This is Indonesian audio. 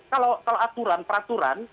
kalau aturan peraturan